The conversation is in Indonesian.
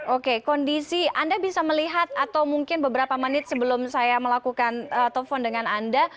oke kondisi anda bisa melihat atau mungkin beberapa menit sebelum saya melakukan telepon dengan anda